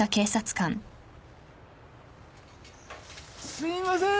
・すいません！